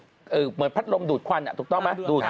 เหมือนพัดลมดูดควันถูกต้องไหมดูดไปปุ๊บ